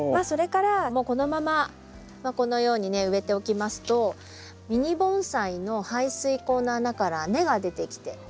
それからこのままこのようにね植えておきますとミニ盆栽の排水口の穴から根が出てきて。